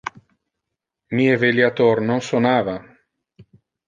Mi eveliator non sonava.